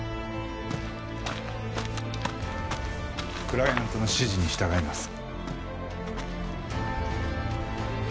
クライアントの指示に従います。